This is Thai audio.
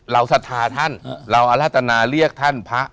ศรัทธาท่านเราอรัตนาเรียกท่านพระ